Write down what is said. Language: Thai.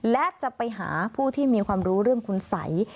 และจะไปหาผู้ที่มีความรู้เรื่องคุณสัย